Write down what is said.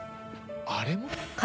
あれも？